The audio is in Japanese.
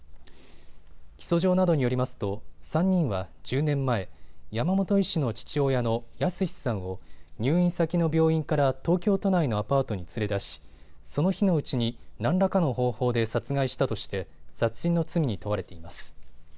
起訴状などによりますと３人は１０年前、山本医師の父親の靖さんを入院先の病院から東京都内のアパートに連れ出しその日のうちに何らかの方法で殺害したとして殺人の罪に問われています。